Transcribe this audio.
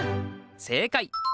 正解。